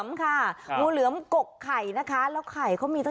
ในนี้มันอยู่ในใบไม้